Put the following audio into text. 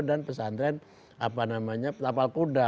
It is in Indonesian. dan pesantren apa namanya tapal kuda